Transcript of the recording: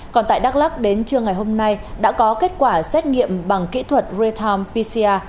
còn tại đắk lắc đến trưa ngày hôm nay đã có kết quả xét nghiệm bằng kỹ thuật real time pcr